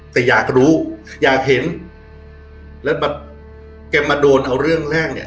แต่อยากรู้อยากเห็นแล้วแบบแกมาโดนเอาเรื่องแรกเนี่ย